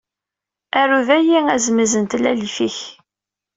Aru dayi azemz n tlalit-ik.